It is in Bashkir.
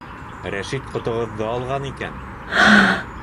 Рәшит ҡотоғоҙҙо алған икән!